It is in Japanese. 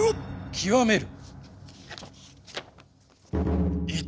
極める！